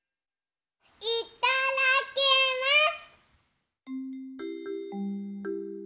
いただきます！